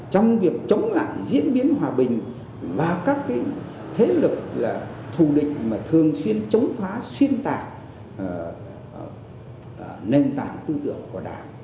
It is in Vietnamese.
trong việc chống lại diễn biến hòa bình và các thế lực là thù địch mà thường xuyên chống phá xuyên tạc nền tảng tư tưởng của đảng